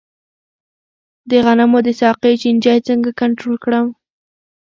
د غنمو د ساقې چینجی څنګه کنټرول کړم؟